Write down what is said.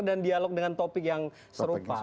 dan dialog dengan topik yang serupa